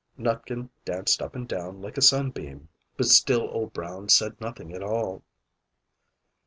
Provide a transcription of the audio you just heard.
Nutkin danced up and down like a SUNBEAM; but still Old Brown said nothing at all.